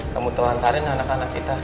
kamu telah antarin anak anak kita